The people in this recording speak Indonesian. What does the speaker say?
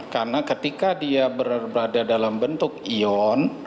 karena ketika dia berada dalam bentuk ion